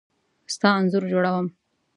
ستا انځور جوړوم .